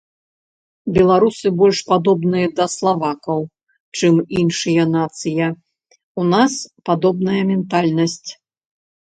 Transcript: Беларусы больш падобныя да славакаў, чым іншая нацыя, у нас падобная ментальнасць.